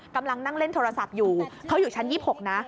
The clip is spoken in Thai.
กำลังนั่งเล่นโทรศัพท์อยู่เขาอยู่ชั้น๒๖นะ